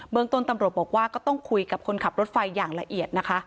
เมืองต้นตำรวจบอกว่าก็ต้องคุยกับคนขับรถไฟอย่างละเอียดนะคะ